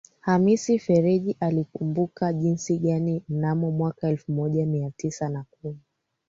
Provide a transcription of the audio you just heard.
Khamis Fereji alikumbuka jinsi gani mnamo mwaka elfu moja mia tisa na kumi